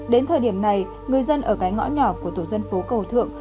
đến thời điểm này người dân ở cái ngõ nhỏ của tổ dân phố cầu thượng